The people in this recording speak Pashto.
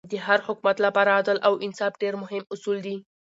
د هر حکومت له پاره عدل او انصاف ډېر مهم اصول دي.